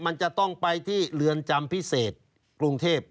มันจะต้องไปที่เรือนจำพิเศษกรุงเทพ